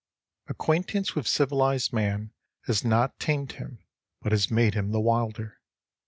Acquaintance with civilized man has not tamed him, but has made him the wilder.